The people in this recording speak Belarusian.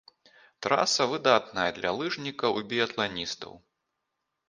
Траса выдатныя для лыжнікаў і біятланістаў.